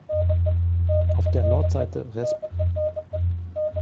Auf der Nordseite resp.